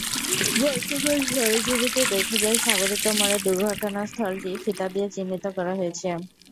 গতকাল সরেজমিনে দেখা যায়, সাগরিকা মোড়ের দুর্ঘটনাস্থলটি ফিতা দিয়ে চিহ্নিত করা রয়েছে।